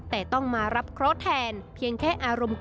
แต่ต้องมารับเค้าแทนเพียงแค่อารมณ์โกรธจากเรื่องอื่น